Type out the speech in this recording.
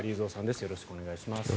よろしくお願いします。